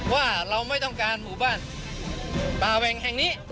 ว่าเรามันไม่ต้องการหุบรรณบราวังแห่งนี้